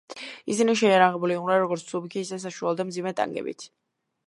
ისინი შეიარაღებულნი იყვნენ როგორც მსუბუქი ისევე საშუალო და მძიმე ტანკებით.